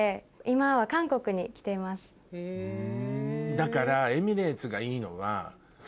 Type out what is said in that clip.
だから。